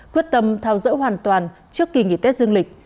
quyết tâm thao dỡ hoàn toàn trước kỳ nghỉ tết dương lịch